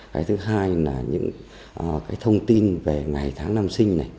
cái thứ hai là những cái thông tin về ngày tháng năm sinh này